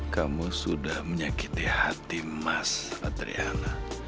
kamu sudah menyakiti hati mas adriana